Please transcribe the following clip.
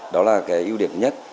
đó là cái ưu điểm nhất